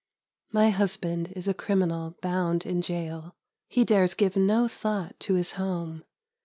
My husband is a criminal bound in jail. He dares give no thought to his home.